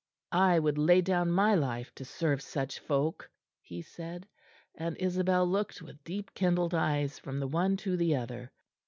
"I would lay down my life to serve such folk," he said; and Isabel looked with deep kindled eyes from the one to the other.